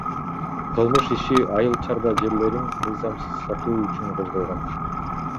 Кылмыш иши айыл чарба жерлерин мыйзамсыз сатуу үчүн козголгон